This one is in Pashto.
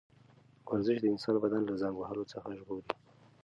ورزش د انسان بدن له زنګ وهلو څخه ژغوري.